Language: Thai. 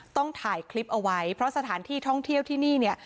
ต้องถ่ายคลิปเอาไว้เพราะสถานที่ท่องเที่ยวที่นี่เนี่ย